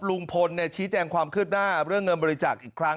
ลุงพลชี้แจงความคืบหน้าเรื่องเงินบริจาคอีกครั้ง